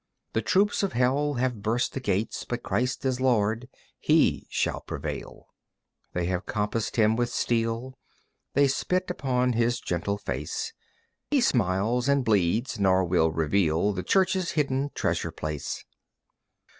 The troops of Hell have burst the gates, But Christ is Lord, He shall prevail. They have encompassed him with steel, They spit upon his gentle face, He smiles and bleeds, nor will reveal The Church's hidden treasure place.